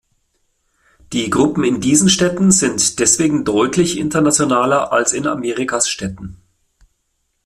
Die Gruppen in diesen Städten sind deswegen deutlich internationaler als in Amerikas Städten.